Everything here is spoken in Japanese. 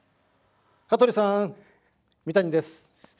香取さん三谷です。